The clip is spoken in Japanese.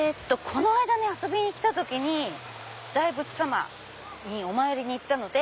この間遊びに来た時に大仏様にお参りに行ったので。